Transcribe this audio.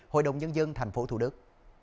hội đồng nhân dân thành phố thủ đức